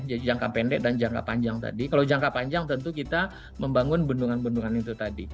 jadi jangka pendek dan jangka panjang tadi kalau jangka panjang tentu kita membangun bendungan bendungan itu tadi